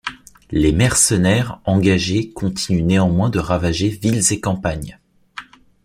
Les mercenaires engagés continuent néanmoins de ravager villes et campagne.